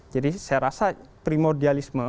jadi saya rasa primordialisme